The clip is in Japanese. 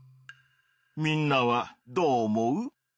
みんなはどう思う？